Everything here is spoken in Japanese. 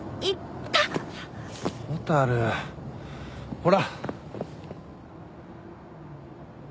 ほら。